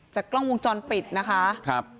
จากกล้องวงจรปิดนะคะ